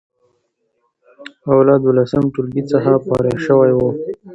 او له دولسم ټولګي څخه فارغ شوی و،